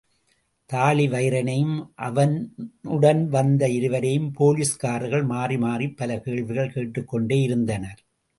தாழிவயிறனையும் அவனுடன் வந்த இருவரையும் போலீஸ்காரர்கள் மாறிமாறிப் பல கேள்விகள் கேட்டுக் கொண்டே இருந்தனர்.